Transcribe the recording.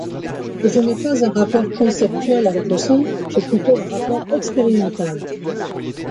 Je n'ai pas un rapport conceptuel avec le son; j'ai plutôt un rapport expérimental.